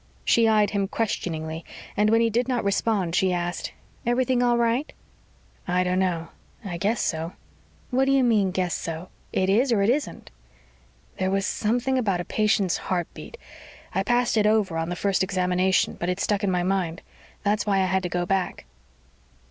She eyed him questioningly and when he did not respond, she asked, "Everything all right?" "I don't know. I guess so." "What do you mean guess so? It is or it isn't." "There was something about a patient's heartbeat. I passed it over on the first examination, but it stuck in my mind. That's why I had to go back."